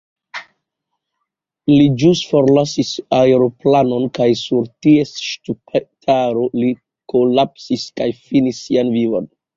Li ĵus forlasis aeroplanon kaj sur ties ŝtupetaro li kolapsis kaj finis sian vivon.